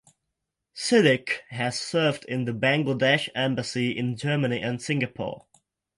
Siddique has served in the Bangladesh Embassy in Germany and Singapore.